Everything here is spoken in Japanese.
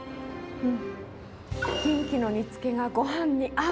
キンキの煮つけがごはんに合う。